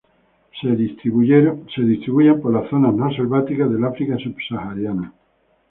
Se distribuyen por las zonas no selváticas del África subsahariana.